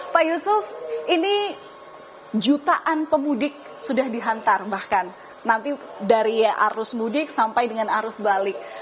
pak yusuf ini jutaan pemudik sudah dihantar bahkan nanti dari arus mudik sampai dengan arus balik